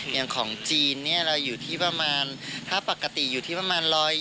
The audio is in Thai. อย่างของจีนเราอยู่ที่ประมาณ๑๒๐